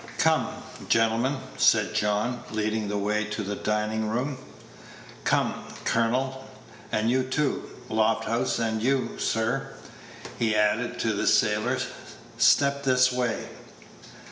"Come, gentlemen," said John, leading the way to the dining room; "come, colonel, and you too, Lofthouse; and you, sir," he added, to the sailor, "step this way."